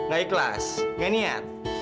gak ikhlas gak niat